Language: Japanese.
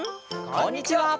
こんにちは。